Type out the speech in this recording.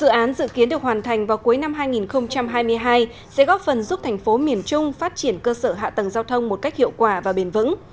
dự án dự kiến được hoàn thành vào cuối năm hai nghìn hai mươi hai sẽ góp phần giúp thành phố miền trung phát triển cơ sở hạ tầng giao thông một cách hiệu quả và bền vững